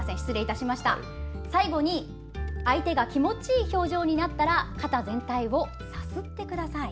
最後に相手が気持ちいい表情になったら肩全体をさすってください。